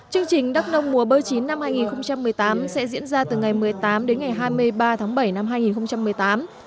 chương trình đắk nông mùa bơ chín năm hai nghìn một mươi tám sẽ diễn ra từ ngày một mươi tám đến ngày hai mươi ba tháng bảy năm hai nghìn một mươi tám